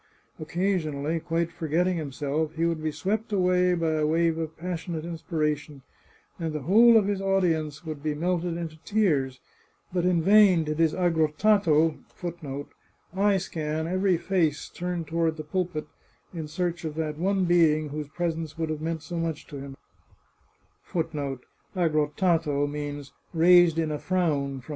Occasionally, quite forgetting himself, he would be swept away by a wave of passionate inspiration, and the whole of his audience would be melted into tears, but in vain did his aggrottato * eye scan every face turned toward the pulpit, in search of that one being whose presence would have meant so much to him.